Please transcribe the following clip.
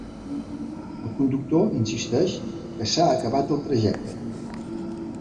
El conductor insisteix que s'ha acabat el trajecte.